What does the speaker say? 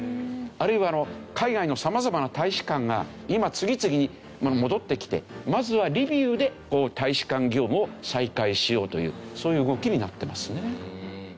あるいは海外の様々な大使館が今次々に戻ってきてまずはリビウで大使館業務を再開しようというそういう動きになってますね。